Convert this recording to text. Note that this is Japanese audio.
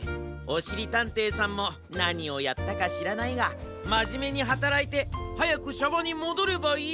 おしりたんていさんもなにをやったかしらないがまじめにはたらいてはやくシャバにもどればいいべえ。